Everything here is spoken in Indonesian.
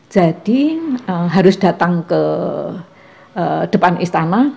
jadi harus datang ke depan istana